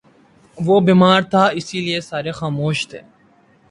وہ بیمار تھا، اسی لئیے سارے خاموش تھے